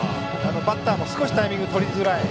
バッターも少しタイミングがとりづらい。